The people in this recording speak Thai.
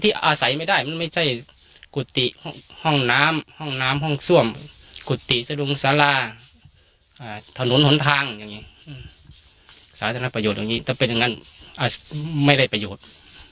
แต่ก็ถ้าเป็นนั้นก็ไม่ได้ประโยชน์